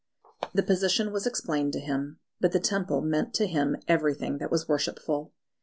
The position was explained to him. But the Temple meant to him everything that was worshipful.